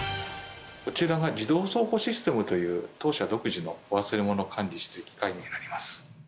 こちらが自動倉庫システムという、当社独自の忘れ物を管理している機械になります。